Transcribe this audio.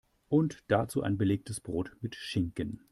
Und dazu ein belegtes Brot mit Schinken.